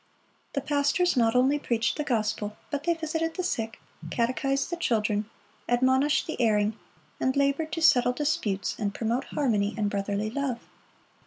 The pastors not only preached the gospel, but they visited the sick, catechized the children, admonished the erring, and labored to settle disputes and promote harmony and brotherly love.